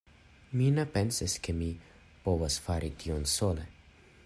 Mi ne pensas ke mi povas fari tion sole.